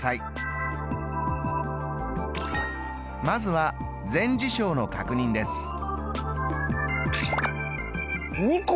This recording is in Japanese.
まずは全事象の確認です。